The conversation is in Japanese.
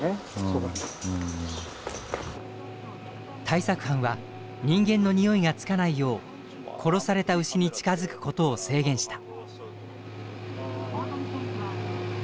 対策班は人間のにおいがつかないよう殺された牛に近づくことを制限した。